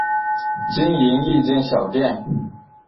经营一间小店